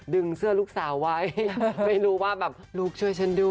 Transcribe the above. ดึงเสื้อลูกสาวไว้ไม่รู้ว่าแบบลูกช่วยฉันด้วย